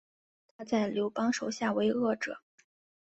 他在刘邦手下为谒者。